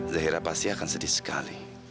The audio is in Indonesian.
zahira pasti akan sedih sekali